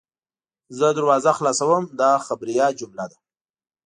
زه دروازه خلاصوم – دا خبریه جمله ده.